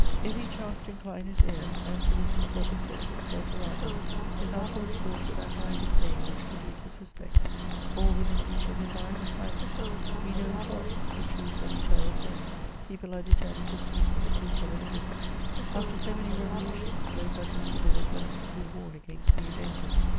If he chanced to incline his ear, and to listen to what was said of himself around him, his answer was fraught with that high disdain which produces respect. All within reach of his eye were silent. We know it well ; the truths that we tell offend. People are determined to sleep on the brink of an abyss. 22 MEMOIRS OF After BO many revolutions, those are considered as enemies who warn against new dangers.